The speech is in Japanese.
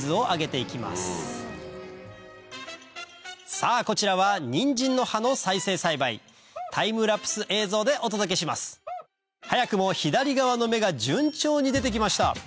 さぁこちらはニンジンの葉の再生栽培タイムラプス映像でお届けします早くも左側の芽が順調に出て来ました